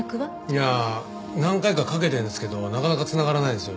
いや何回かかけてるんですけどなかなか繋がらないんですよね。